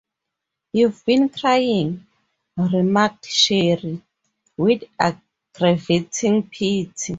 “You’ve been crying,” remarked Sherry, with aggravating pity.